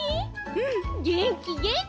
うんげんきげんき。